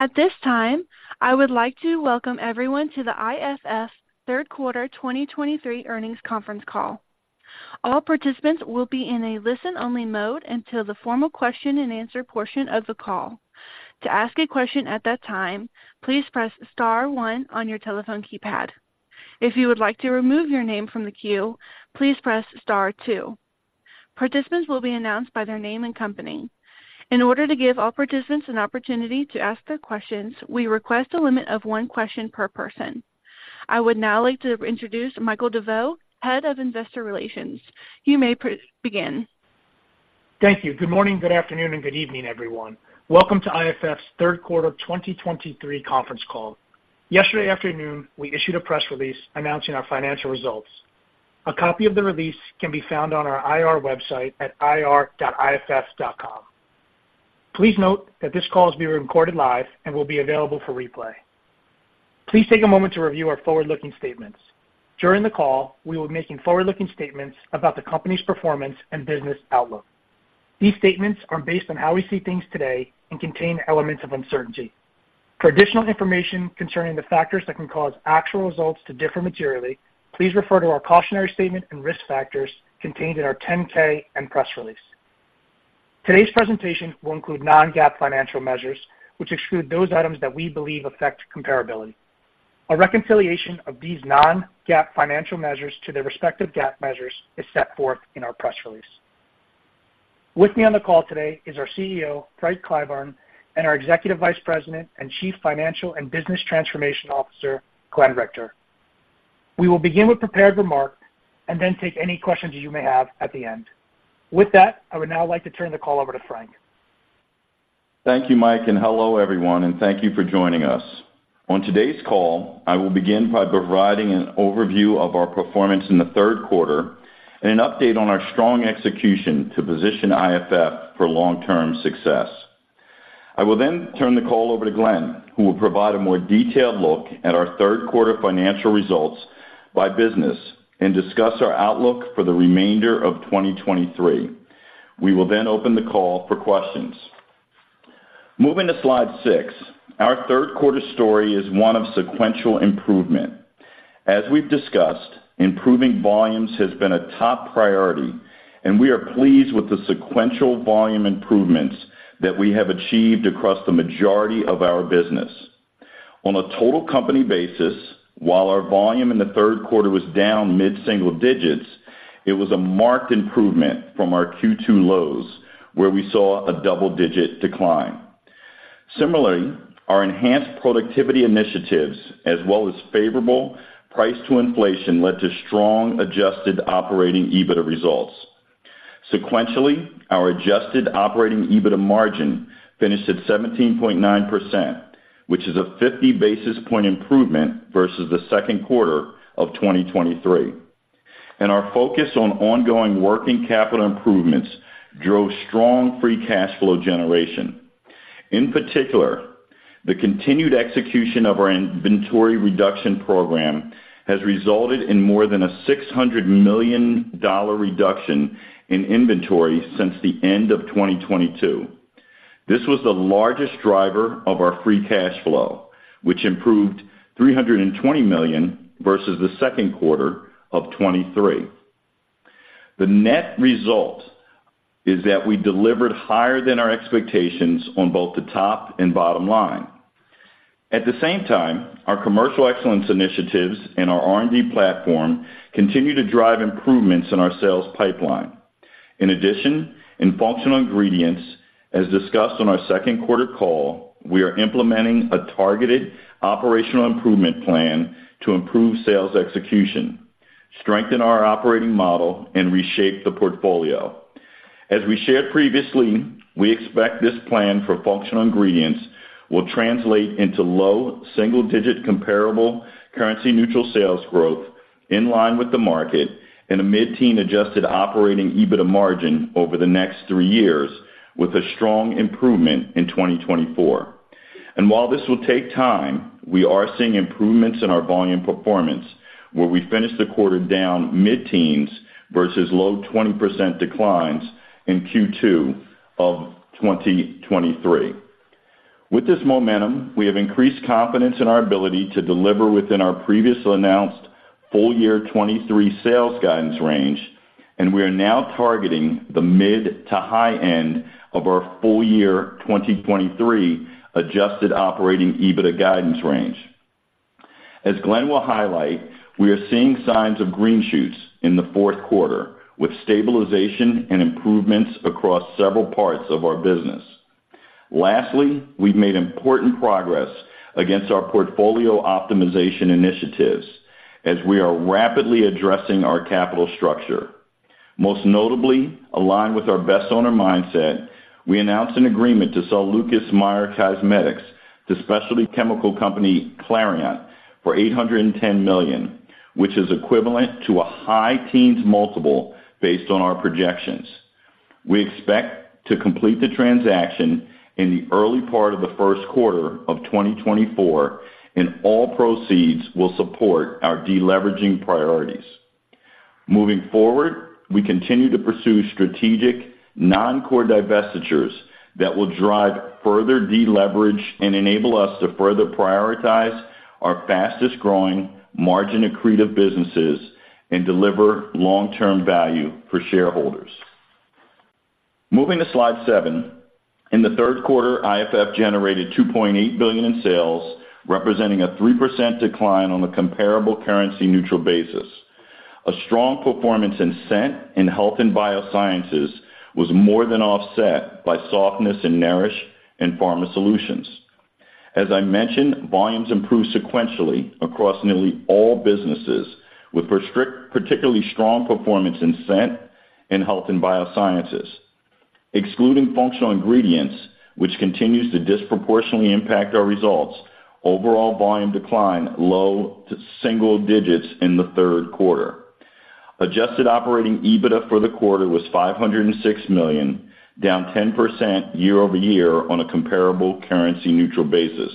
At this time, I would like to welcome everyone to the IFF Third Quarter 2023 Earnings Conference Call. All participants will be in a listen-only mode until the formal question-and-answer portion of the call. To ask a question at that time, please press star one on your telephone keypad. If you would like to remove your name from the queue, please press star two. Participants will be announced by their name and company. In order to give all participants an opportunity to ask their questions, we request a limit of one question per person. I would now like to introduce Michael DeVeau, Head of Investor Relations. You may begin. Thank you. Good morning, good afternoon, and good evening, everyone. Welcome to IFF's third quarter 2023 conference call. Yesterday afternoon, we issued a press release announcing our financial results. A copy of the release can be found on our IR website at ir.iff.com. Please note that this call is being recorded live and will be available for replay. Please take a moment to review our forward-looking statements. During the call, we will be making forward-looking statements about the company's performance and business outlook. These statements are based on how we see things today and contain elements of uncertainty. For additional information concerning the factors that can cause actual results to differ materially, please refer to our cautionary statement and risk factors contained in our 10-K and press release. Today's presentation will include non-GAAP financial measures, which exclude those items that we believe affect comparability. A reconciliation of these non-GAAP financial measures to their respective GAAP measures is set forth in our press release. With me on the call today is our CEO, Frank Clyburn, and our Executive Vice President and Chief Financial and Business Transformation Officer, Glenn Richter. We will begin with prepared remarks and then take any questions you may have at the end. With that, I would now like to turn the call over to Frank. Thank you, Mike, and hello everyone, and thank you for joining us. On today's call, I will begin by providing an overview of our performance in the third quarter and an update on our strong execution to position IFF for long-term success. I will then turn the call over to Glenn, who will provide a more detailed look at our third quarter financial results by business and discuss our outlook for the remainder of 2023. We will then open the call for questions. Moving to slide 6, our third quarter story is one of sequential improvement. As we've discussed, improving volumes has been a top priority, and we are pleased with the sequential volume improvements that we have achieved across the majority of our business. On a total company basis, while our volume in the third quarter was down mid-single digits, it was a marked improvement from our Q2 lows, where we saw a double-digit decline. Similarly, our enhanced productivity initiatives, as well as favorable price to inflation, led to strong Adjusted Operating EBITDA results. Sequentially, our Adjusted Operating EBITDA margin finished at 17.9%, which is a 50 basis point improvement versus the second quarter of 2023. Our focus on ongoing working capital improvements drove strong Free Cash Flow generation. In particular, the continued execution of our inventory reduction program has resulted in more than a $600 million reduction in inventory since the end of 2022. This was the largest driver of our Free Cash Flow, which improved $320 million versus the second quarter of 2023. The net result is that we delivered higher than our expectations on both the top and bottom line. At the same time, our commercial excellence initiatives and our R&D platform continue to drive improvements in our sales pipeline. In addition, in Functional Ingredients, as discussed on our second quarter call, we are implementing a targeted operational improvement plan to improve sales execution, strengthen our operating model, and reshape the portfolio. As we shared previously, we expect this plan for Functional Ingredients will translate into low single-digit Comparable Currency-Neutral sales growth in line with the market and a mid-teen Adjusted Operating EBITDA margin over the next three years, with a strong improvement in 2024. And while this will take time, we are seeing improvements in our volume performance, where we finished the quarter down mid-teens versus low 20% declines in Q2 of 2023. With this momentum, we have increased confidence in our ability to deliver within our previously announced full year 2023 sales guidance range, and we are now targeting the mid to high end of our full year 2023 adjusted operating EBITDA guidance range. As Glenn will highlight, we are seeing signs of green shoots in the fourth quarter, with stabilization and improvements across several parts of our business. Lastly, we've made important progress against our portfolio optimization initiatives as we are rapidly addressing our capital structure. Most notably, aligned with our best owner mindset, we announced an agreement to sell Lucas Meyer Cosmetics to specialty chemical company Clariant for $810 million, which is equivalent to a high teens multiple based on our projections. We expect to complete the transaction in the early part of the first quarter of 2024, and all proceeds will support our deleveraging priorities. Moving forward, we continue to pursue strategic non-core divestitures that will drive further deleverage and enable us to further prioritize our fastest-growing, margin-accretive businesses and deliver long-term value for shareholders. Moving to Slide 7, in the third quarter, IFF generated $2.8 billion in sales, representing a 3% decline on a Comparable Currency Neutral basis. A strong performance in Scent and Health & Biosciences was more than offset by softness in Nourish and Pharma Solutions. As I mentioned, volumes improved sequentially across nearly all businesses, with particularly strong performance in scent and health and biosciences. Excluding functional ingredients, which continues to disproportionately impact our results, overall volume declined low- to single-digit in the third quarter. Adjusted operating EBITDA for the quarter was $506 million, down 10% year-over-year on a Comparable Currency Neutral basis.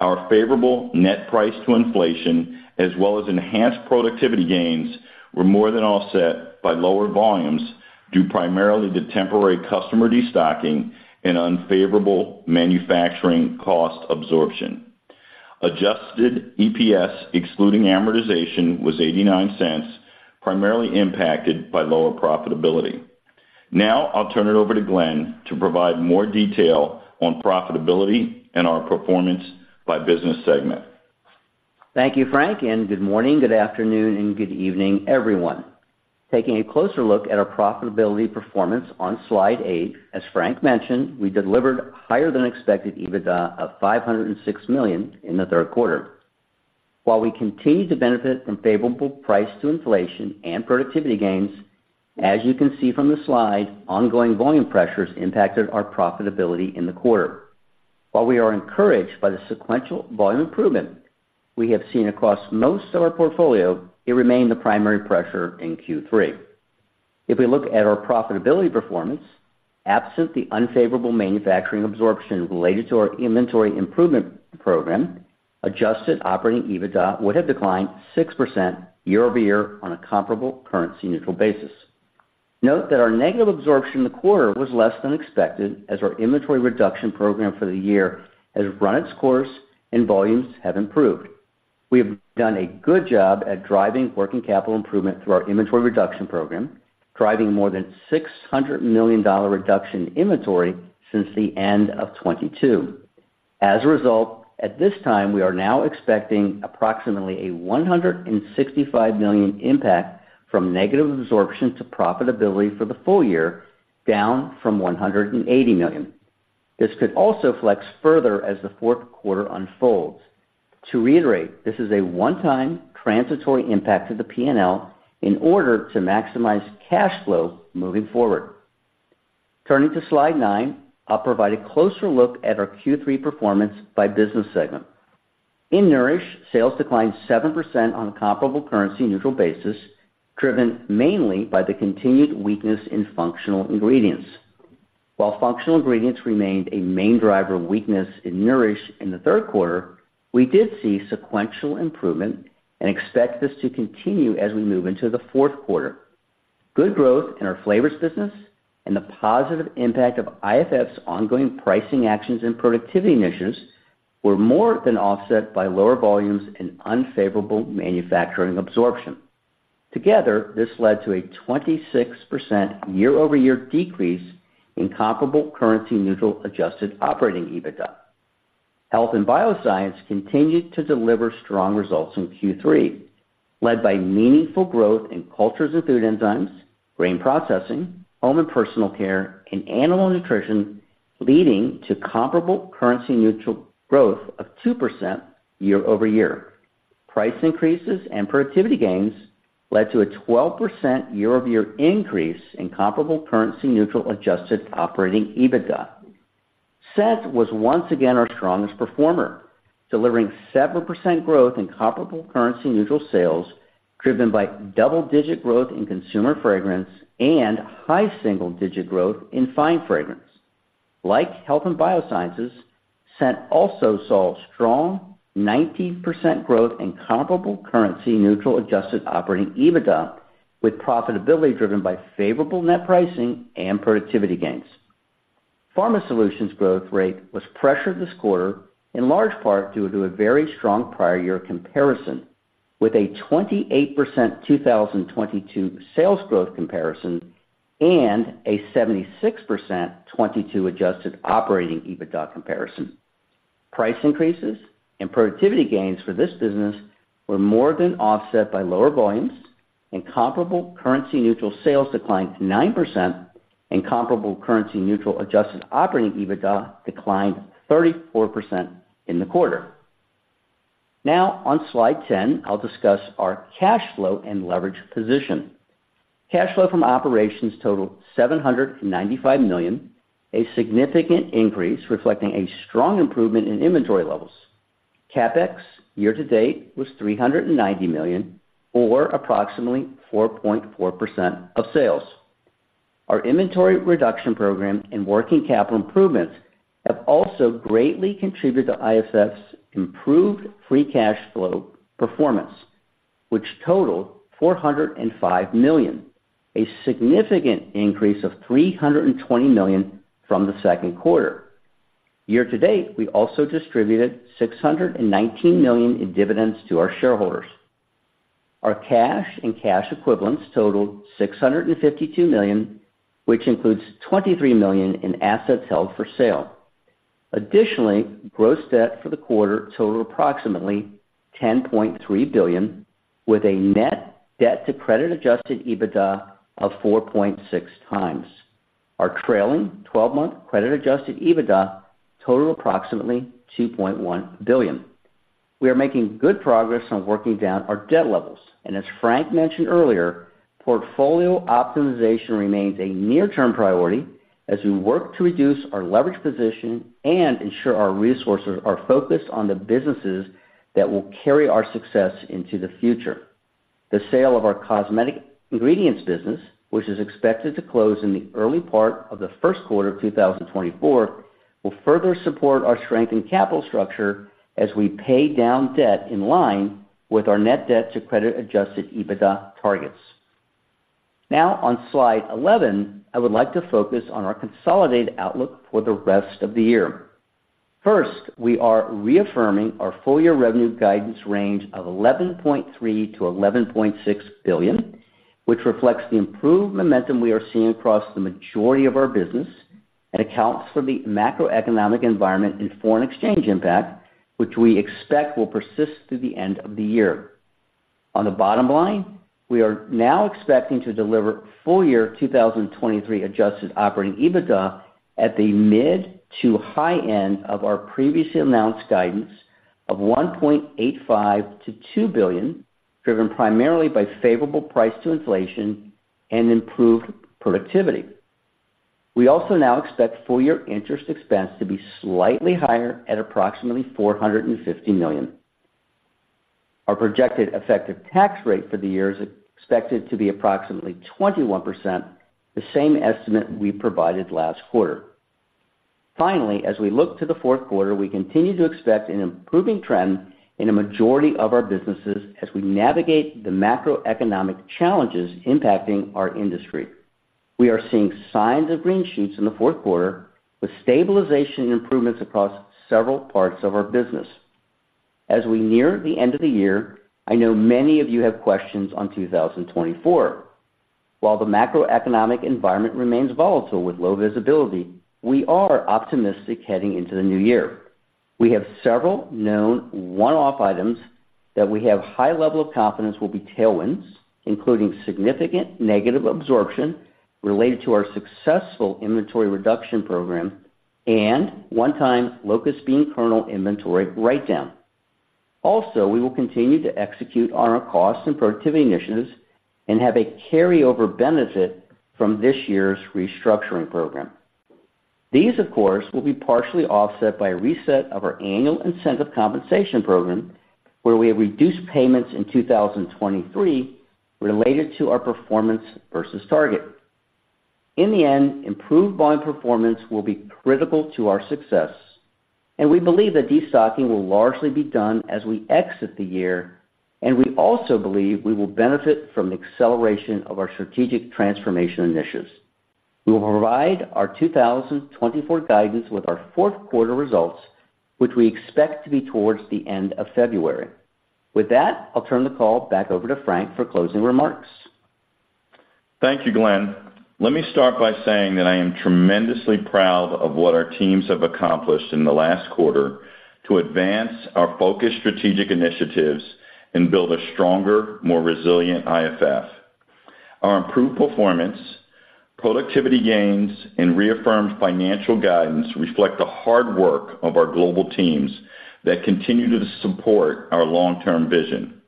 Our favorable net price to inflation, as well as enhanced productivity gains, were more than offset by lower volumes, due primarily to temporary customer destocking and unfavorable manufacturing cost absorption. Adjusted EPS, excluding amortization, was $0.89, primarily impacted by lower profitability. Now, I'll turn it over to Glenn to provide more detail on profitability and our performance by business segment. Thank you, Frank, and good morning, good afternoon, and good evening, everyone. Taking a closer look at our profitability performance on Slide 8, as Frank mentioned, we delivered higher than expected EBITDA of $506 million in the third quarter. While we continued to benefit from favorable price to inflation and productivity gains, as you can see from the slide, ongoing volume pressures impacted our profitability in the quarter. While we are encouraged by the sequential volume improvement we have seen across most of our portfolio, it remained the primary pressure in Q3. If we look at our profitability performance, absent the unfavorable manufacturing absorption related to our inventory improvement program, adjusted operating EBITDA would have declined 6% year-over-year on a comparable currency neutral basis. Note that our negative absorption in the quarter was less than expected, as our inventory reduction program for the year has run its course and volumes have improved. We have done a good job at driving working capital improvement through our inventory reduction program, driving more than $600 million reduction in inventory since the end of 2022. As a result, at this time, we are now expecting approximately a $165 million impact from negative absorption to profitability for the full year, down from $180 million. This could also flex further as the fourth quarter unfolds. To reiterate, this is a one-time transitory impact to the P&L in order to maximize cash flow moving forward. Turning to Slide 9, I'll provide a closer look at our Q3 performance by business segment. In Nourish, sales declined 7% on a comparable currency neutral basis, driven mainly by the continued weakness in functional ingredients. While functional ingredients remained a main driver of weakness in Nourish in the third quarter, we did see sequential improvement and expect this to continue as we move into the fourth quarter. Good growth in our Flavors business and the positive impact of IFF's ongoing pricing actions and productivity initiatives were more than offset by lower volumes and unfavorable manufacturing absorption. Together, this led to a 26% year-over-year decrease in comparable currency neutral adjusted operating EBITDA. Health and bioscience continued to deliver strong results in Q3, led by meaningful growth in Cultures & Food Enzymes, Grain Processing, Home & Personal Care, and Animal Nutrition, leading to comparable currency neutral growth of 2% year-over-year. Price increases and productivity gains led to a 12% year-over-year increase in comparable currency neutral adjusted operating EBITDA. Scent was once again our strongest performer, delivering 7% growth in comparable currency neutral sales, driven by double-digit growth in Consumer Fragrance and high single-digit growth in Fine Fragrance. Like health and biosciences, scent also saw strong 19% growth in comparable currency neutral adjusted operating EBITDA, with profitability driven by favorable net pricing and productivity gains. Pharma solutions growth rate was pressured this quarter, in large part due to a very strong prior year comparison, with a 28% 2022 sales growth comparison and a 76% 2022 adjusted operating EBITDA comparison. Price increases and productivity gains for this business were more than offset by lower volumes, and comparable currency neutral sales declined 9%, and comparable currency neutral adjusted operating EBITDA declined 34% in the quarter. Now, on Slide 10, I'll discuss our cash flow and leverage position. Cash flow from operations totaled $795 million, a significant increase, reflecting a strong improvement in inventory levels. CapEx year-to-date was $390 million, or approximately 4.4% of sales. Our inventory reduction program and working capital improvements have also greatly contributed to IFF's improved free cash flow performance, which totaled $405 million, a significant increase of $320 million from the second quarter. Year-to-date, we also distributed $619 million in dividends to our shareholders. Our cash and cash equivalents totaled $652 million, which includes $23 million in assets held for sale. Additionally, gross debt for the quarter totaled approximately $10.3 billion, with a net debt to credit-adjusted EBITDA of 4.6 times. Our trailing twelve-month credit-adjusted EBITDA totaled approximately $2.1 billion. We are making good progress on working down our debt levels, and as Frank mentioned earlier, portfolio optimization remains a near-term priority as we work to reduce our leverage position and ensure our resources are focused on the businesses that will carry our success into the future. The sale of our cosmetic ingredients business, which is expected to close in the early part of the first quarter of 2024, will further support our strength and capital structure as we pay down debt in line with our net debt to credit-adjusted EBITDA targets. Now, on slide 11, I would like to focus on our consolidated outlook for the rest of the year. First, we are reaffirming our full-year revenue guidance range of $11.3 billion-$11.6 billion, which reflects the improved momentum we are seeing across the majority of our business and accounts for the macroeconomic environment and foreign exchange impact, which we expect will persist through the end of the year. On the bottom line, we are now expecting to deliver full-year 2023 adjusted operating EBITDA at the mid to high end of our previously announced guidance of $1.85 billion-$2 billion, driven primarily by favorable price to inflation and improved productivity. We also now expect full-year interest expense to be slightly higher at approximately $450 million. Our projected effective tax rate for the year is expected to be approximately 21%, the same estimate we provided last quarter. Finally, as we look to the fourth quarter, we continue to expect an improving trend in a majority of our businesses as we navigate the macroeconomic challenges impacting our industry. We are seeing signs of green shoots in the fourth quarter, with stabilization improvements across several parts of our business. As we near the end of the year, I know many of you have questions on 2024. While the macroeconomic environment remains volatile with low visibility, we are optimistic heading into the new year. We have several known one-off items that we have high level of confidence will be tailwinds, including significant negative absorption related to our successful inventory reduction program and one-time locust bean kernel inventory write-down. Also, we will continue to execute on our cost and productivity initiatives and have a carryover benefit from this year's restructuring program. These, of course, will be partially offset by a reset of our annual incentive compensation program, where we have reduced payments in 2023 related to our performance versus target. In the end, improved volume performance will be critical to our success, and we believe that destocking will largely be done as we exit the year, and we also believe we will benefit from the acceleration of our strategic transformation initiatives. We will provide our 2024 guidance with our fourth quarter results, which we expect to be towards the end of February. With that, I'll turn the call back over to Frank for closing remarks. Thank you, Glenn. Let me start by saying that I am tremendously proud of what our teams have accomplished in the last quarter to advance our focused strategic initiatives and build a stronger, more resilient IFF. Our improved performance, productivity gains, and reaffirmed financial guidance reflect the hard work of our global teams that continue to support our long-term vision.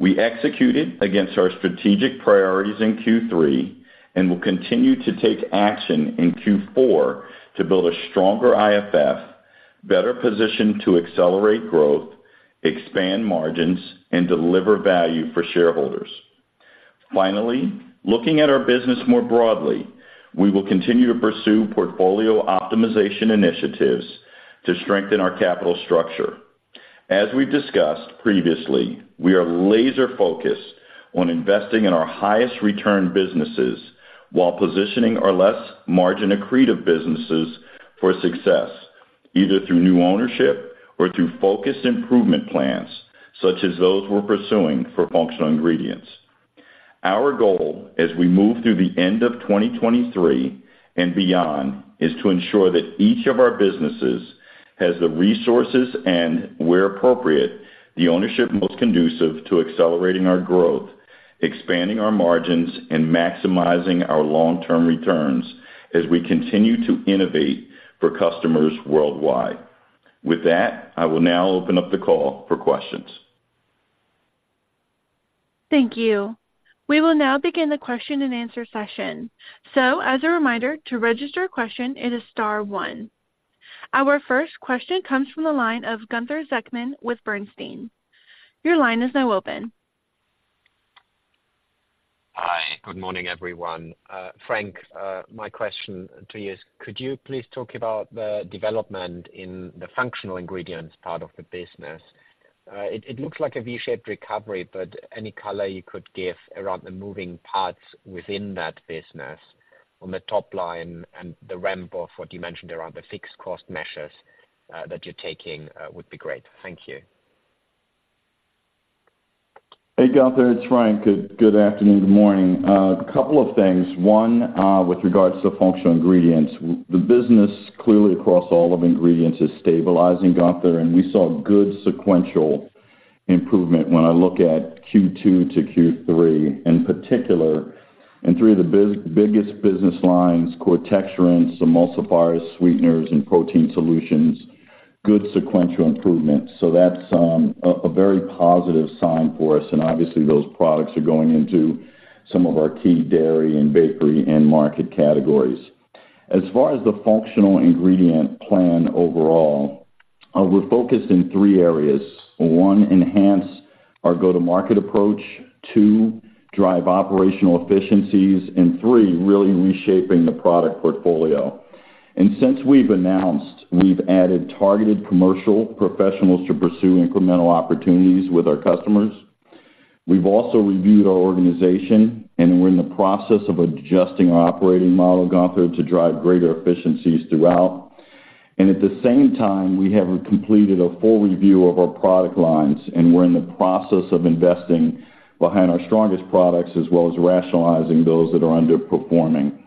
We executed against our strategic priorities in Q3, and will continue to take action in Q4 to build a stronger IFF, better positioned to accelerate growth, expand margins, and deliver value for shareholders. Finally, looking at our business more broadly, we will continue to pursue portfolio optimization initiatives to strengthen our capital structure. As we've discussed previously, we are laser-focused on investing in our highest return businesses while positioning our less margin-accretive businesses for success, either through new ownership or through focused improvement plans, such as those we're pursuing for functional ingredients. Our goal, as we move through the end of 2023 and beyond, is to ensure that each of our businesses has the resources and, where appropriate, the ownership most conducive to accelerating our growth, expanding our margins, and maximizing our long-term returns as we continue to innovate for customers worldwide. With that, I will now open up the call for questions. Thank you. We will now begin the question-and-answer session. So as a reminder, to register a question, it is star one.... Our first question comes from the line of Gunther Zechmann with Bernstein. Your line is now open. Hi, good morning, everyone. Frank, my question to you is, could you please talk about the development in the functional ingredients part of the business? It looks like a V-shaped recovery, but any color you could give around the moving parts within that business on the top line and the ramp of what you mentioned around the fixed cost measures that you're taking would be great. Thank you. Hey, Gunther, it's Frank. Good afternoon, good morning. Couple of things. One, with regards to the functional ingredients, the business clearly across all of ingredients is stabilizing, Gunther, and we saw good sequential improvement when I look at Q2 to Q3, in particular, and three of the biggest business lines, core texturants, emulsifiers, sweeteners, and protein solutions, good sequential improvement. So that's a very positive sign for us, and obviously, those products are going into some of our key dairy and bakery end market categories. As far as the functional ingredient plan overall, we're focused in three areas. One, enhance our go-to-market approach. Two, drive operational efficiencies. And three, really reshaping the product portfolio. And since we've announced, we've added targeted commercial professionals to pursue incremental opportunities with our customers. We've also reviewed our organization, and we're in the process of adjusting our operating model, Gunther, to drive greater efficiencies throughout. At the same time, we have completed a full review of our product lines, and we're in the process of investing behind our strongest products, as well as rationalizing those that are underperforming.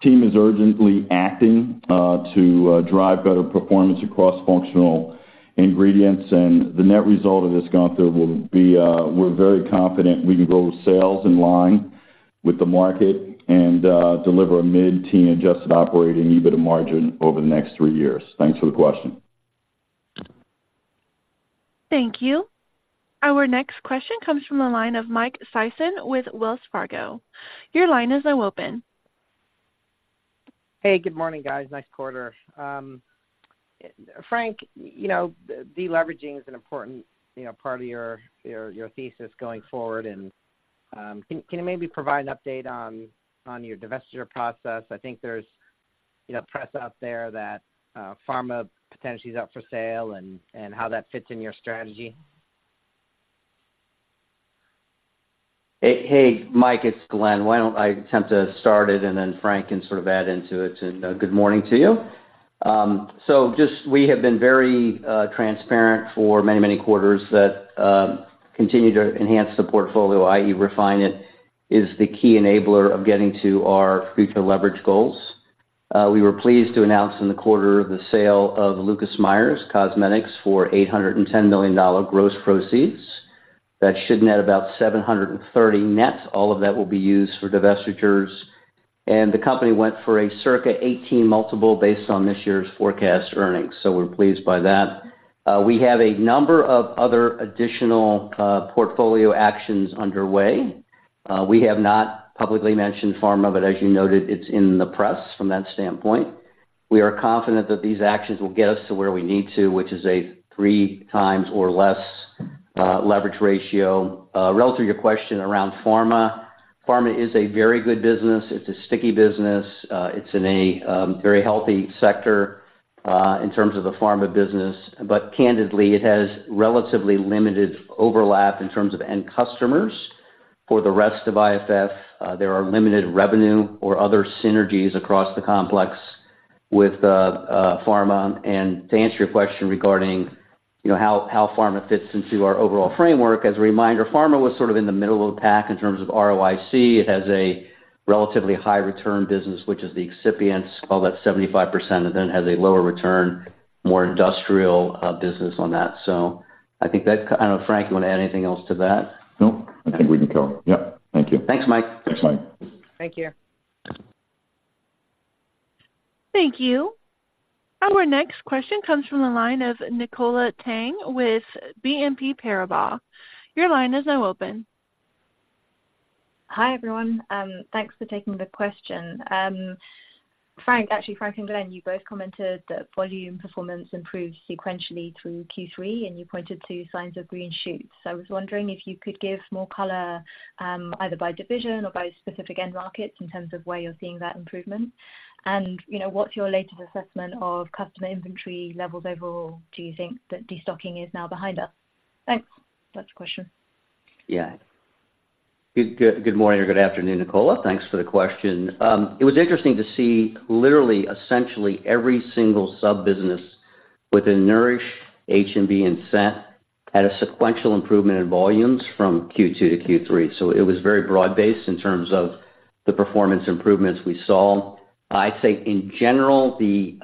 Team is urgently acting to drive better performance across functional ingredients, and the net result of this, Gunther, will be, we're very confident we can grow sales in line with the market and, deliver a mid-teen adjusted operating EBITDA margin over the next three years. Thanks for the question. Thank you. Our next question comes from the line of Mike Sison with Wells Fargo. Your line is now open. Hey, good morning, guys. Nice quarter. Frank, you know, deleveraging is an important, you know, part of your thesis going forward. And, can you maybe provide an update on your divestiture process? I think there's, you know, press out there that pharma potentially is up for sale and how that fits in your strategy. Hey, hey, Mike, it's Glenn. Why don't I attempt to start it, and then Frank can sort of add into it? Good morning to you. Just we have been very transparent for many, many quarters that continue to enhance the portfolio, i.e., refine it, is the key enabler of getting to our future leverage goals. We were pleased to announce in the quarter the sale of Lucas Meyer Cosmetics for $810 million gross proceeds. That should net about $730 million net. All of that will be used for divestitures, and the company went for a circa 18x multiple based on this year's forecast earnings. So we're pleased by that. We have a number of other additional portfolio actions underway. We have not publicly mentioned pharma, but as you noted, it's in the press from that standpoint. We are confident that these actions will get us to where we need to, which is a 3x or less leverage ratio. Relative to your question around pharma, pharma is a very good business. It's a sticky business. It's in a very healthy sector in terms of the pharma business, but candidly, it has relatively limited overlap in terms of end customers for the rest of IFF. There are limited revenue or other synergies across the complex with the pharma. To answer your question regarding, you know, how pharma fits into our overall framework, as a reminder, pharma was sort of in the middle of the pack in terms of ROIC. It has a relatively high return business, which is the excipients, call that 75%, and then has a lower return, more industrial, business on that. So I think that... I don't know, Frank, you want to add anything else to that? Nope, I think we can go. Yep. Thank you. Thanks, Mike. Thanks, Mike. Thank you. Thank you. Our next question comes from the line of Nicola Tang with BNP Paribas. Your line is now open. Hi, everyone, thanks for taking the question. Frank, actually, Frank and Glenn, you both commented that volume performance improved sequentially through Q3, and you pointed to signs of green shoots. So I was wondering if you could give more color, either by division or by specific end markets in terms of where you're seeing that improvement. And, you know, what's your latest assessment of customer inventory levels overall? Do you think that destocking is now behind us? Thanks. That's the question. Yeah. Good, good, good morning or good afternoon, Nicola. Thanks for the question. It was interesting to see literally, essentially every single sub-business within Nourish, H&B, and Scent had a sequential improvement in volumes from Q2 to Q3. So it was very broad-based in terms of the performance improvements we saw. I'd say in general, the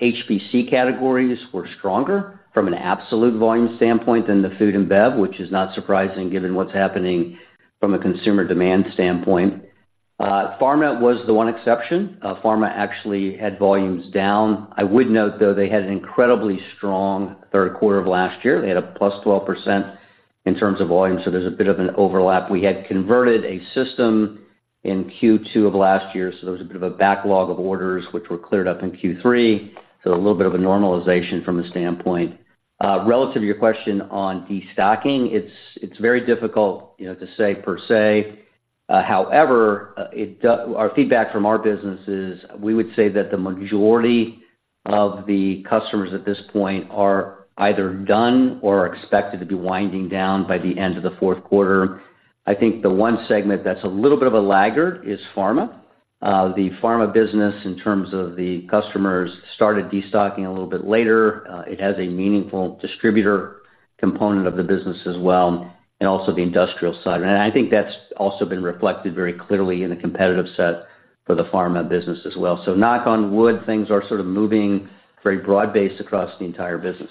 HBC categories were stronger from an absolute volume standpoint than the food and bev, which is not surprising given what's happening from a consumer demand standpoint. Pharma was the one exception. Pharma actually had volumes down. I would note, though, they had an incredibly strong third quarter of last year. They had a plus 12% in terms of volume, so there's a bit of an overlap. We had converted a system-... In Q2 of last year, so there was a bit of a backlog of orders, which were cleared up in Q3, so a little bit of a normalization from the standpoint. Relative to your question on destocking, it's, it's very difficult, you know, to say per se. However, it does. Our feedback from our business is, we would say that the majority of the customers at this point are either done or are expected to be winding down by the end of the fourth quarter. I think the one segment that's a little bit of a laggard is pharma. The pharma business, in terms of the customers, started destocking a little bit later. It has a meaningful distributor component of the business as well, and also the industrial side. And I think that's also been reflected very clearly in the competitive set for the pharma business as well. So knock on wood, things are sort of moving very broad-based across the entire business.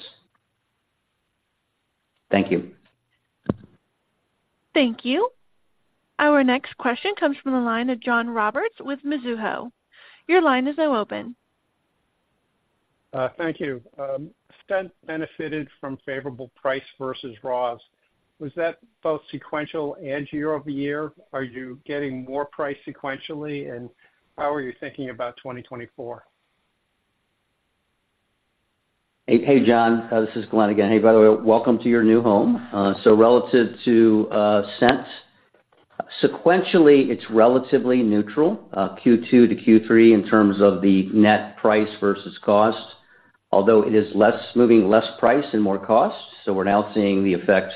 Thank you. Thank you. Our next question comes from the line of John Roberts with Mizuho. Your line is now open. Thank you. Scent benefited from favorable price versus raws. Was that both sequential and year-over-year? Are you getting more price sequentially, and how are you thinking about 2024? Hey, hey, John, this is Glenn again. Hey, by the way, welcome to your new home. So relative to scent, sequentially, it's relatively neutral, Q2 to Q3, in terms of the net price versus cost, although it is less, moving less price and more cost. So we're now seeing the effect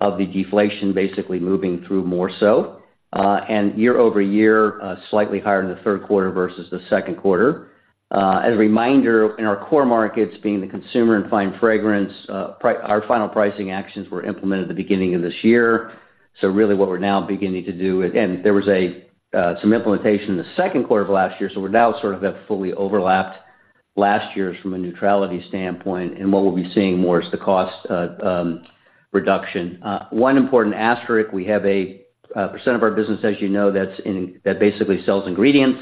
of the deflation basically moving through more so, and year-over-year, slightly higher in the third quarter versus the second quarter. As a reminder, in our core markets, being the consumer and fine fragrance, our final pricing actions were implemented at the beginning of this year. So really what we're now beginning to do, and there was some implementation in the second quarter of last year, so we're now sort of have fully overlapped last year's from a neutrality standpoint, and what we'll be seeing more is the cost reduction. One important asterisk, we have a percent of our business, as you know, that's in, that basically sells ingredients.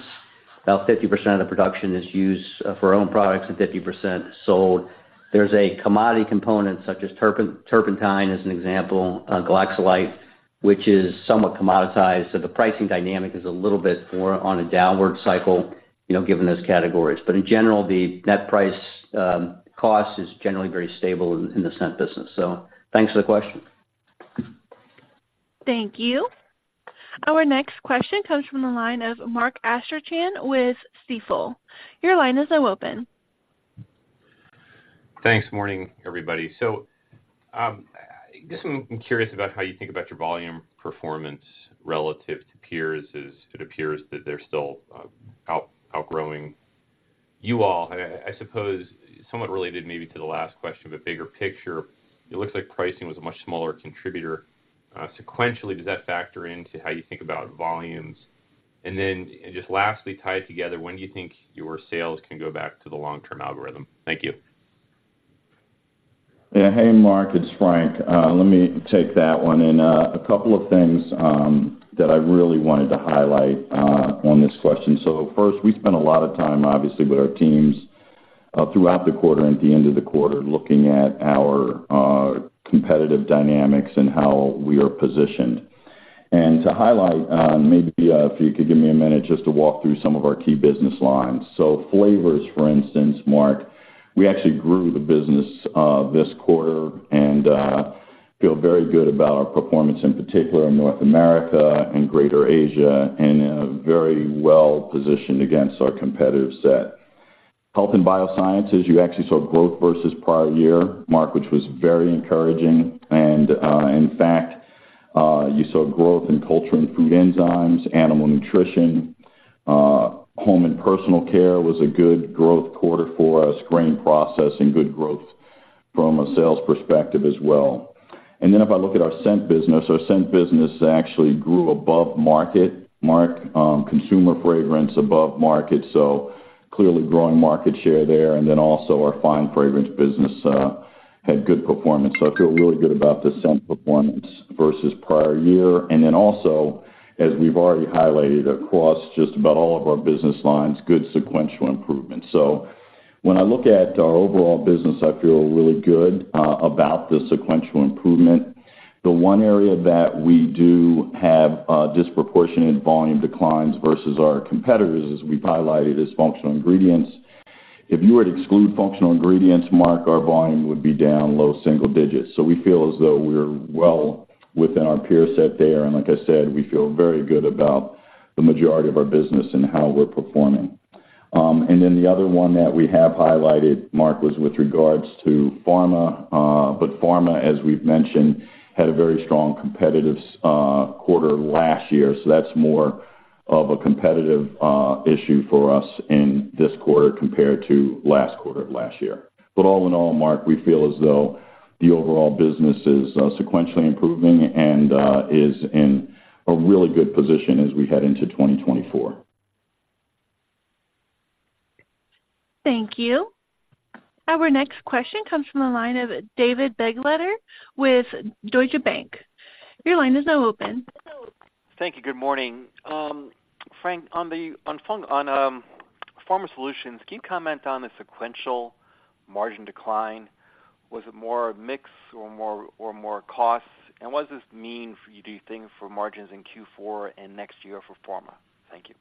About 50% of the production is used for our own products and 50% sold. There's a commodity component, such as turpentine, as an example, Galaxolide, which is somewhat commoditized, so the pricing dynamic is a little bit more on a downward cycle, you know, given those categories. But in general, the net price cost is generally very stable in the scent business. So thanks for the question. Thank you. Our next question comes from the line of Mark Astrachan with Stifel. Your line is now open. Thanks. Morning, everybody. So, just, I'm curious about how you think about your volume performance relative to peers, as it appears that they're still outgrowing you all. I suppose, somewhat related maybe to the last question, but bigger picture, it looks like pricing was a much smaller contributor. Sequentially, does that factor into how you think about volumes? And then, just lastly, tie it together, when do you think your sales can go back to the long-term algorithm? Thank you. Yeah. Hey, Mark, it's Frank. Let me take that one. And, a couple of things, that I really wanted to highlight, on this question. So first, we spent a lot of time, obviously, with our teams, throughout the quarter and at the end of the quarter, looking at our, competitive dynamics and how we are positioned. And to highlight, maybe, if you could give me a minute just to walk through some of our key business lines. So flavors, for instance, Mark, we actually grew the business, this quarter and, feel very good about our performance, in particular in North America and Greater Asia, and, very well positioned against our competitive set. Health and Biosciences, you actually saw growth versus prior year, Mark, which was very encouraging. In fact, you saw growth in culture and food enzymes, animal nutrition, home and personal care was a good growth quarter for us, grain processing, good growth from a sales perspective as well. Then if I look at our scent business, our scent business actually grew above market, Mark, consumer fragrance above market, so clearly growing market share there. Then also our fine fragrance business had good performance. So I feel really good about the scent performance versus prior year. Then also, as we've already highlighted across just about all of our business lines, good sequential improvement. So when I look at our overall business, I feel really good about the sequential improvement. The one area that we do have disproportionate volume declines versus our competitors, as we've highlighted, is functional ingredients. If you were to exclude functional ingredients, Mark, our volume would be down low single digits. So we feel as though we're well within our peer set there, and like I said, we feel very good about the majority of our business and how we're performing. And then the other one that we have highlighted, Mark, was with regards to pharma, but pharma, as we've mentioned, had a very strong competitive quarter last year, so that's more of a competitive issue for us in this quarter compared to last quarter of last year. But all in all, Mark, we feel as though the overall business is sequentially improving and is in a really good position as we head into 2024. Thank you. Our next question comes from the line of David Begleiter with Deutsche Bank. Your line is now open. Thank you. Good morning. Frank, on the funk...... Pharma Solutions, can you comment on the sequential margin decline? Was it more mix or more, or more costs, and what does this mean for you, do you think, for margins in Q4 and next year for Pharma? Thank you.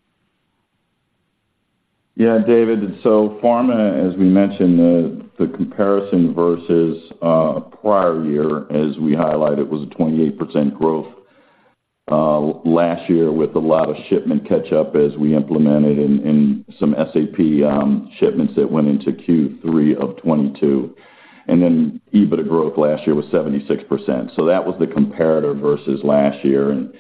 Yeah, David. So pharma, as we mentioned, the comparison versus prior year, as we highlighted, was a 28% growth last year, with a lot of shipment catch up as we implemented in some SAP shipments that went into Q3 of 2022. And then EBITDA growth last year was 76%. So that was the comparator versus last year. And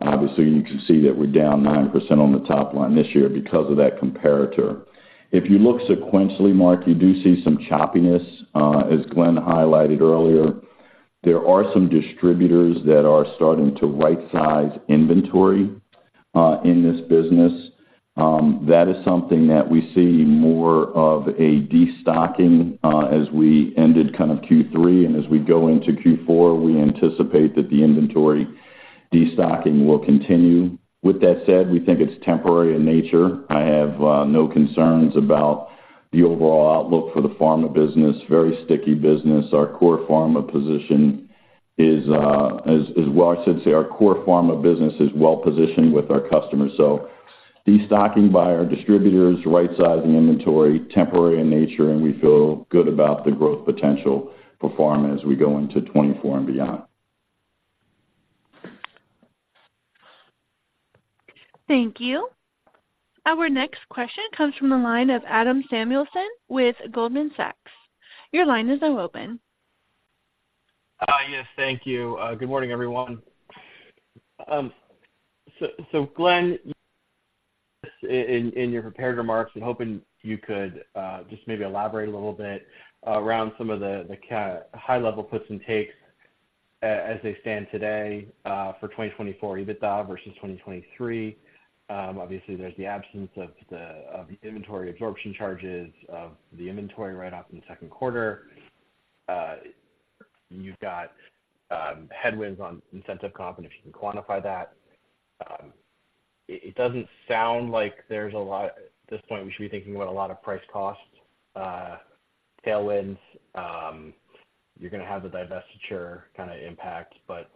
obviously, you can see that we're down 9% on the top line this year because of that comparator. If you look sequentially, Mark, you do see some choppiness as Glenn highlighted earlier. There are some distributors that are starting to right-size inventory in this business. That is something that we see more of a destocking as we ended kind of Q3. And as we go into Q4, we anticipate that the inventory destocking will continue. With that said, we think it's temporary in nature. I have no concerns about the overall outlook for the pharma business. Very sticky business. Our core pharma position is, well, I should say our core pharma business is well positioned with our customers. So destocking by our distributors, right-sizing inventory, temporary in nature, and we feel good about the growth potential for pharma as we go into 2024 and beyond. Thank you. Our next question comes from the line of Adam Samuelson with Goldman Sachs. Your line is now open. Yes, thank you. Good morning, everyone. So, Glenn, in your prepared remarks, I'm hoping you could just maybe elaborate a little bit around some of the kind, high-level puts and takes as they stand today, for 2024 EBITDA versus 2023. Obviously, there's the absence of the inventory absorption charges, of the inventory write-off in the second quarter. You've got headwinds on incentive comp, and if you can quantify that. It doesn't sound like there's a lot at this point we should be thinking about a lot of price costs tailwinds. You're gonna have the divestiture kind of impact, but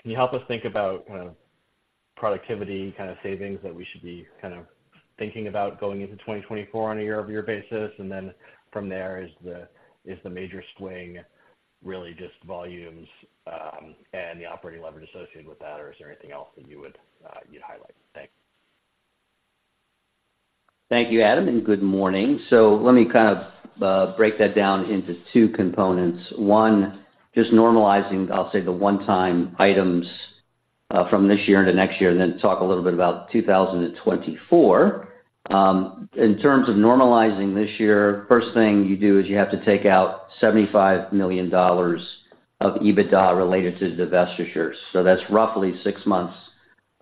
can you help us think about kind of productivity, kind of savings that we should be kind of thinking about going into 2024 on a year-over-year basis? And then from there, is the major swing really just volumes, and the operating leverage associated with that, or is there anything else that you would, you'd highlight? Thanks. Thank you, Adam, and good morning. So let me kind of break that down into two components. One, just normalizing, I'll say, the one-time items from this year into next year, and then talk a little bit about 2024. In terms of normalizing this year, first thing you do is you have to take out $75 million of EBITDA related to divestitures. So that's roughly six months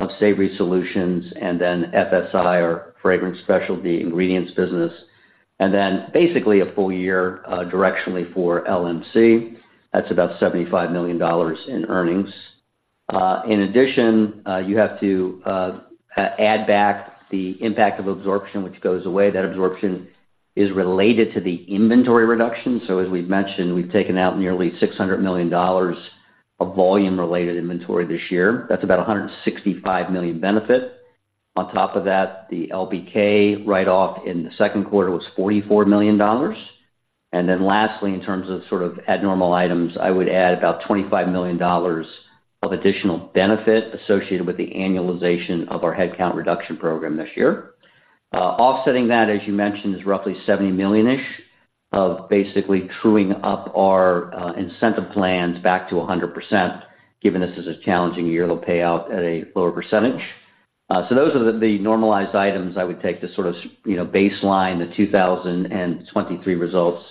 of Savory Solutions and then FSI, or Fragrance Specialty Ingredients business, and then basically a full year directionally for LMC. That's about $75 million in earnings. In addition, you have to add back the impact of absorption, which goes away. That absorption is related to the inventory reduction. So as we've mentioned, we've taken out nearly $600 million of volume-related inventory this year. That's about a $165 million benefit. On top of that, the LBK write-off in the second quarter was $44 million. And then lastly, in terms of sort of abnormal items, I would add about $25 million of additional benefit associated with the annualization of our headcount reduction program this year. Offsetting that, as you mentioned, is roughly $70 million-ish of basically truing up our incentive plans back to 100%, given this is a challenging year, it'll pay out at a lower percentage. So those are the normalized items I would take to sort of, you know, baseline the 2023 results.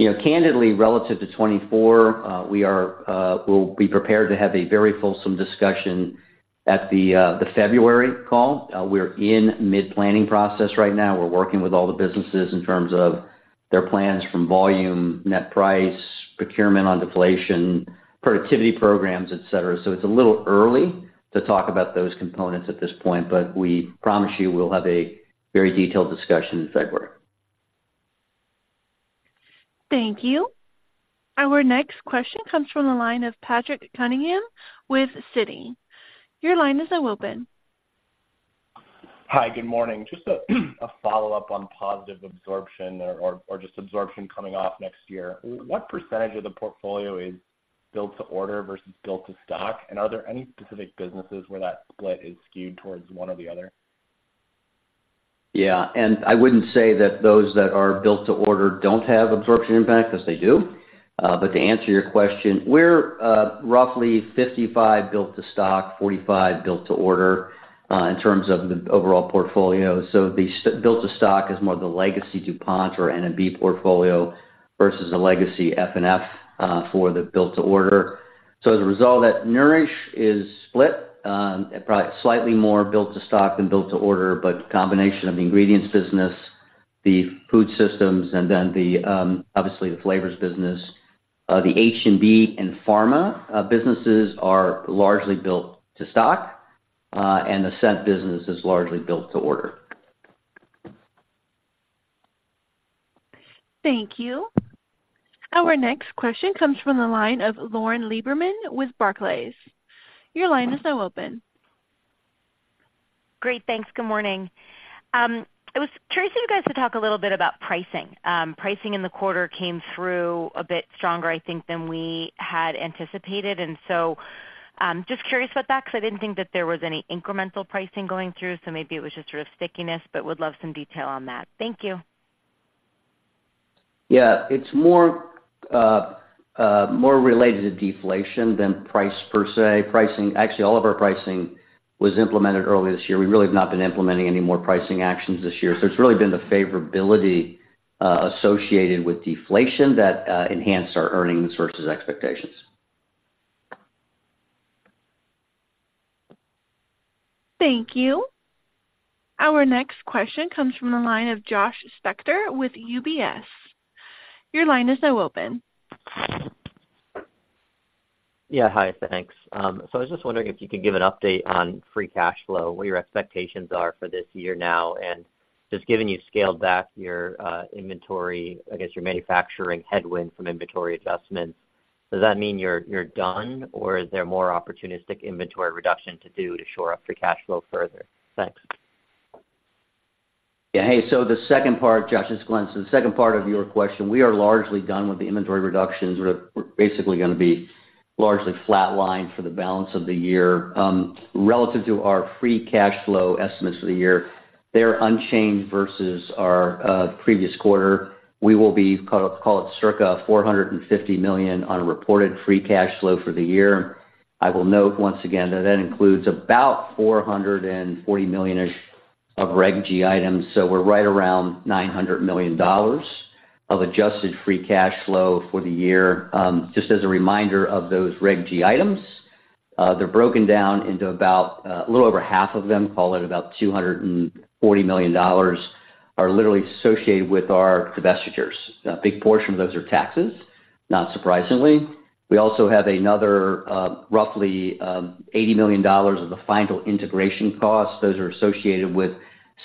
You know, candidly, relative to 2024, we are, we'll be prepared to have a very fulsome discussion at the February call. We're in mid-planning process right now. We're working with all the businesses in terms of their plans from volume, net price, procurement on deflation, procurement on deflation, productivity programs, et cetera. It's a little early to talk about those components at this point, but we promise you we'll have a very detailed discussion in February. Thank you. Our next question comes from the line of Patrick Cunningham with Citi. Your line is now open. Hi, good morning. Just a follow-up on positive absorption or just absorption coming off next year. What percentage of the portfolio is built to order versus built to stock? And are there any specific businesses where that split is skewed towards one or the other? Yeah, and I wouldn't say that those that are built to order don't have absorption impact, because they do. But to answer your question, we're roughly 55 built to stock, 45 built to order, in terms of the overall portfolio. So the built to stock is more the legacy DuPont or N&B portfolio versus a legacy F&F, for the built to order. So as a result of that, Nourish is split, probably slightly more built to stock than built to order, but combination of the ingredients business, the food systems, and then the, obviously, the flavors business. The H&B and pharma, businesses are largely built to stock, and the scent business is largely built to order. Thank you. Our next question comes from the line of Lauren Lieberman with Barclays. Your line is now open. Great, thanks. Good morning. I was curious for you guys to talk a little bit about pricing. Pricing in the quarter came through a bit stronger, I think, than we had anticipated, and so, just curious about that, 'cause I didn't think that there was any incremental pricing going through, so maybe it was just sort of stickiness, but would love some detail on that. Thank you. Yeah. It's more related to deflation than price per se. Pricing. Actually, all of our pricing was implemented early this year. We really have not been implementing any more pricing actions this year. So it's really been the favorability associated with deflation that enhanced our earnings versus expectations. Thank you. Our next question comes from the line of Josh Spector with UBS. Your line is now open. Yeah. Hi, thanks. So I was just wondering if you could give an update on free cash flow, what your expectations are for this year now, and just given you've scaled back your inventory, I guess, your manufacturing headwind from inventory adjustments, does that mean you're done, or is there more opportunistic inventory reduction to do to shore up free cash flow further? Thanks. Yeah. Hey, so the second part, Josh, it's Glenn. So the second part of your question, we are largely done with the inventory reductions. We're basically gonna be largely flatlined for the balance of the year. Relative to our free cash flow estimates for the year, they're unchanged versus our previous quarter. We will be, call it circa $450 million on a reported free cash flow for the year. I will note once again that that includes about $440 million-ish of Reg G items, so we're right around $900 million of adjusted free cash flow for the year. Just as a reminder of those Reg G items, they're broken down into about a little over half of them, call it about $240 million, are literally associated with our divestitures. A big portion of those are taxes, not surprisingly. We also have another, roughly, $80 million of the final integration costs. Those are associated with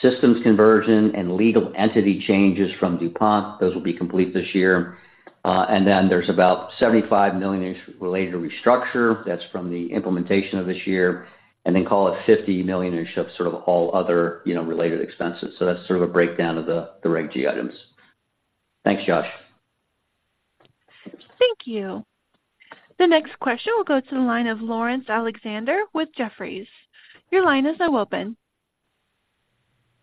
systems conversion and legal entity changes from DuPont. Those will be complete this year. And then there's about $75 million-ish related to restructure. That's from the implementation of this year. And then call it $50 million-ish of sort of all other, you know, related expenses. So that's sort of a breakdown of the Reg G Items. Thanks, Josh. Thank you. The next question will go to the line of Laurence Alexander with Jefferies. Your line is now open.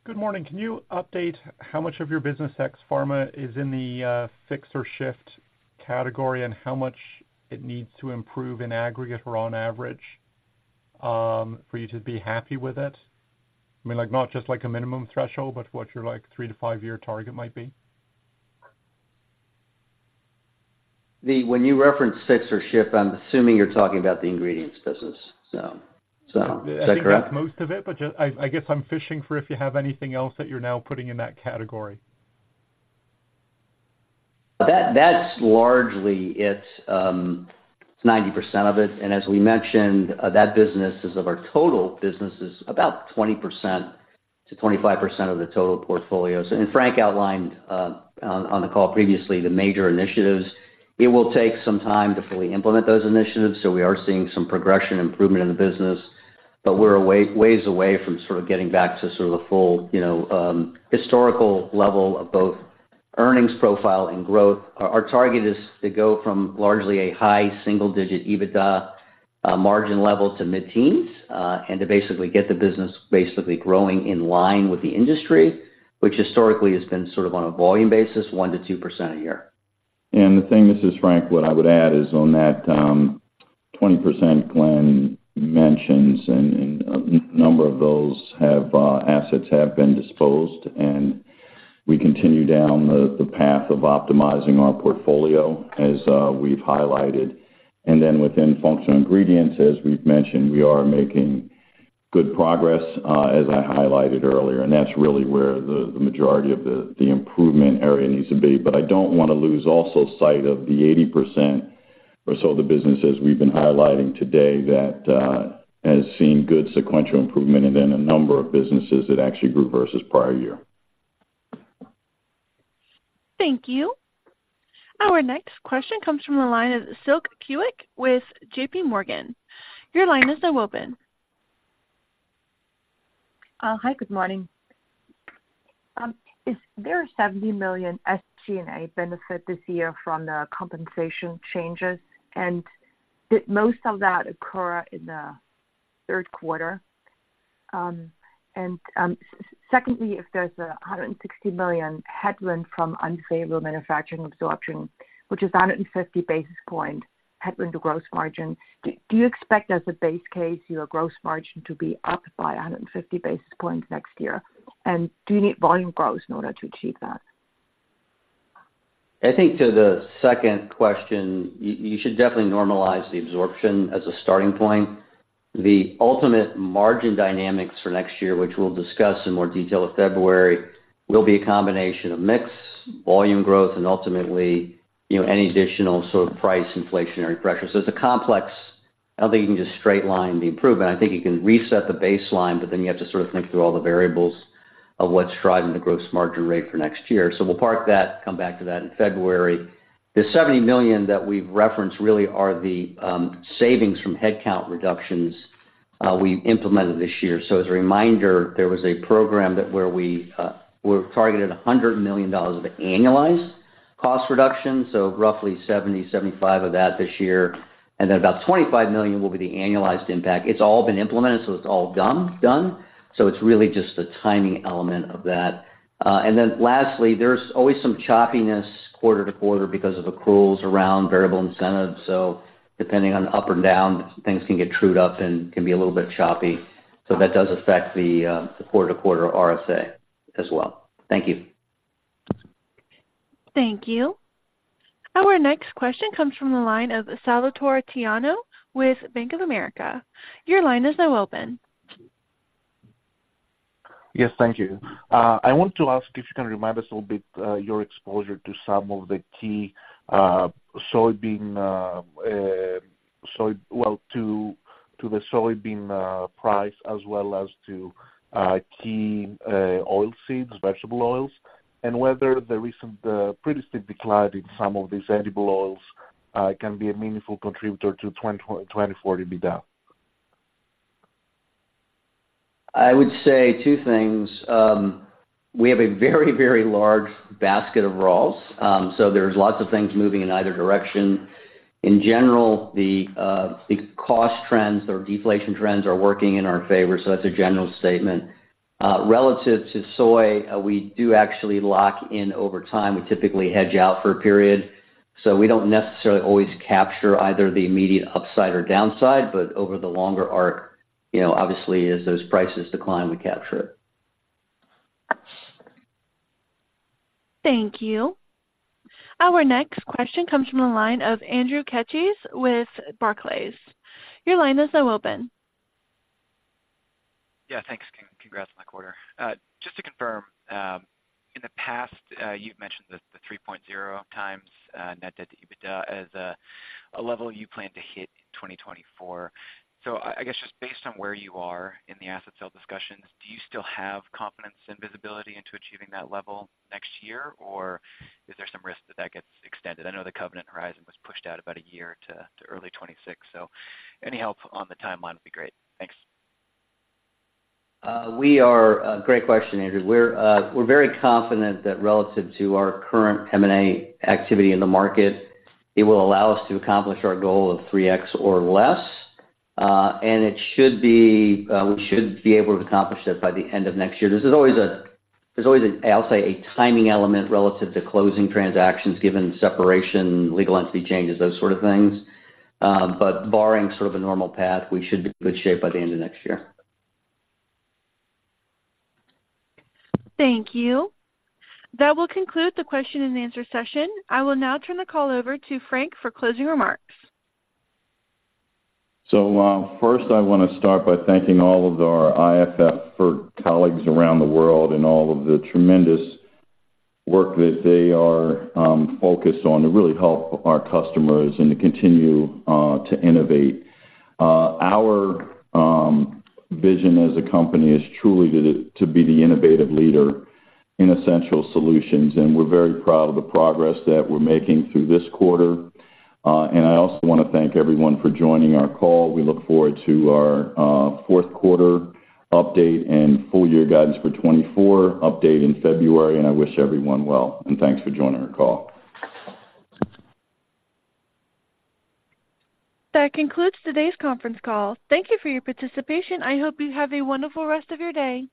Good morning. Can you update how much of your business ex pharma is in the fix or shift category, and how much it needs to improve in aggregate or on average for you to be happy with it? I mean, like, not just like a minimum threshold, but what your, like, three-to-five-year target might be. When you reference fix or shift, I'm assuming you're talking about the ingredients business. So, so is that correct? I think that's most of it, but just... I, I guess I'm fishing for if you have anything else that you're now putting in that category. That, that's largely it. It's 90% of it, and as we mentioned, that business is, of our total businesses, about 20%-25% of the total portfolios. Frank outlined, on, on the call previously, the major initiatives. It will take some time to fully implement those initiatives, so we are seeing some progression improvement in the business, but we're a ways away from sort of getting back to sort of the full, you know, historical level of both earnings profile and growth. Our target is to go from largely a high single-digit EBITDA margin level to mid-teens, and to basically get the business basically growing in line with the industry, which historically has been sort of on a volume basis, 1%-2% a year. And the thing, this is Frank, what I would add is on that, 20% Glenn mentions, and, and a number of those have, assets have been disposed, and we continue down the, the path of optimizing our portfolio, as, we've highlighted. And then within functional ingredients, as we've mentioned, we are making good progress, as I highlighted earlier, and that's really where the, the majority of the, the improvement area needs to be. But I don't wanna lose also sight of the 80% or so of the businesses we've been highlighting today that, has seen good sequential improvement and in a number of businesses that actually grew versus prior year. Thank you. Our next question comes from the line of Silke Kueck with JP Morgan. Your line is now open. Hi, good morning. Is there a $70 million SG&A benefit this year from the compensation changes, and did most of that occur in the third quarter? And secondly, if there's a $160 million headwind from unfavorable manufacturing absorption, which is a 150 basis point headwind to gross margin, do you expect, as a base case, your gross margin to be up by 150 basis points next year? And do you need volume growth in order to achieve that? I think to the second question, you, you should definitely normalize the absorption as a starting point. The ultimate margin dynamics for next year, which we'll discuss in more detail in February, will be a combination of mix, volume growth, and ultimately, you know, any additional sort of price inflationary pressure. So it's a complex. I don't think you can just straight line the improvement. I think you can reset the baseline, but then you have to sort of think through all the variables of what's driving the gross margin rate for next year. So we'll park that, come back to that in February. The $70 million that we've referenced really are the savings from headcount reductions we implemented this year. So as a reminder, there was a program that we targeted $100 million of annualized cost reduction, so roughly $70-$75 of that this year, and then about $25 million will be the annualized impact. It's all been implemented, so it's all done, done. So it's really just the timing element of that. And then lastly, there's always some choppiness quarter to quarter because of accruals around variable incentives. So depending on up and down, things can get trued up and can be a little bit choppy. So that does affect the quarter-to-quarter RSA as well. Thank you. Thank you. Our next question comes from the line of Salvator Tiano with Bank of America. Your line is now open. Yes, thank you. I want to ask if you can remind us a little bit, your exposure to some of the key soybean price, as well as to key oilseeds, vegetable oils, and whether the recent pretty steep decline in some of these edible oils can be a meaningful contributor to 2024 EBITDA. I would say two things. We have a very, very large basket of raws, so there's lots of things moving in either direction. In general, the cost trends or deflation trends are working in our favor, so that's a general statement. Relative to soy, we do actually lock in over time. We typically hedge out for a period, so we don't necessarily always capture either the immediate upside or downside, but over the longer arc, you know, obviously, as those prices decline, we capture it. Thank you. Our next question comes from the line of Andrew Keches with Barclays. Your line is now open. Yeah, thanks. Congrats on the quarter. Just to confirm, in the past, you've mentioned the 3.0x net debt to EBITDA as a level you plan to hit in 2024. So I guess, just based on where you are in the asset sale discussions, do you still have confidence and visibility into achieving that level next year, or is there some risk that that gets extended? I know the covenant horizon was pushed out about a year to early 2026, so any help on the timeline would be great. Thanks. Great question, Andrew. We're very confident that relative to our current M&A activity in the market, it will allow us to accomplish our goal of 3x or less, and it should be, we should be able to accomplish that by the end of next year. There's always a, I'll say, a timing element relative to closing transactions, given separation, legal entity changes, those sort of things. But barring sort of a normal path, we should be in good shape by the end of next year. Thank you. That will conclude the question and answer session. I will now turn the call over to Frank for closing remarks. So, first, I want to start by thanking all of our IFF colleagues around the world and all of the tremendous work that they are focused on to really help our customers and to continue to innovate. Our vision as a company is truly to be the innovative leader in essential solutions, and we're very proud of the progress that we're making through this quarter. And I also want to thank everyone for joining our call. We look forward to our fourth quarter update and full year guidance for 2024 update in February, and I wish everyone well. And thanks for joining our call. That concludes today's conference call. Thank you for your participation. I hope you have a wonderful rest of your day.